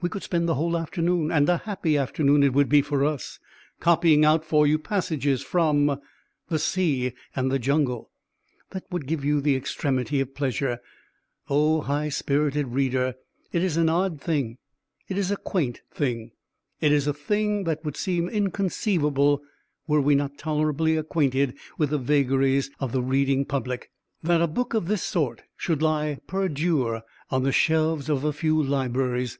We could spend the whole afternoon (and a happy afternoon it would be for us) copying out for you passages from "The Sea and the Jungle" that would give you the extremity of pleasure, O high spirited reader! It is an odd thing, it is a quaint thing, it is a thing that would seem inconceivable (were we not tolerably acquainted with the vagaries of the reading public) that a book of this sort should lie perdu on the shelves of a few libraries.